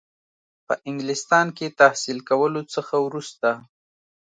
په انګلستان کې تحصیل کولو څخه وروسته.